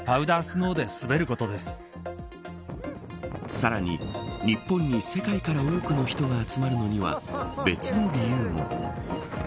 さらに、日本に世界から多くの人が集まるのには別の理由も。